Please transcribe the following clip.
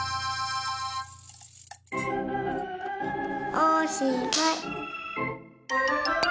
おしまい！